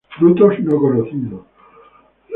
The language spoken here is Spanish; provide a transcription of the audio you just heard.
Frutos no conocidos.